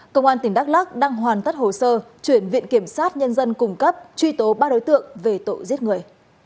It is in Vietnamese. công an tỉnh đắk lắc đang hoàn tất hồ sơ chuyển viện kiểm sát nhân dân cung cấp truy tố ba đối tượng về tội giết người